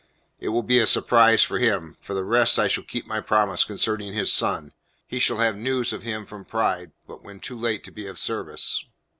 It will be a surprise for him. For the rest I shall keep my promise concerning his son. He shall have news of him from Pride but when too late to be of service."